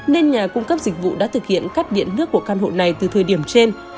nên nhà cung cấp dịch vụ đã thực hiện cắt điện nước của căn hộ này từ thời điểm trên